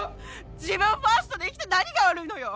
自分ファーストで生きて何が悪いのよ。